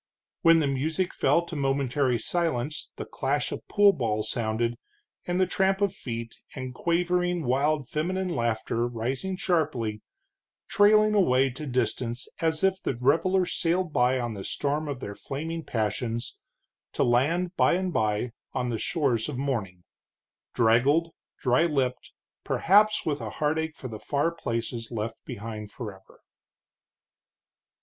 When the music fell to momentary silence the clash of pool balls sounded, and the tramp of feet, and quavering wild feminine laughter rising sharply, trailing away to distance as if the revelers sailed by on the storm of their flaming passions, to land by and by on the shores of morning, draggled, dry lipped, perhaps with a heartache for the far places left behind forever.